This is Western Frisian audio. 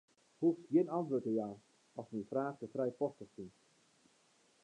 Hoechst gjin antwurd te jaan ast myn fraach te frijpostich fynst.